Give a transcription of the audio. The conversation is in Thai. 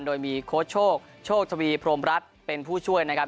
โดยมีโค้ชโชคโชคทวีพรมรัฐเป็นผู้ช่วยนะครับ